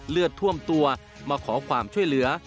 เลือดท่วมตัวมาขอความช่วยเหลือ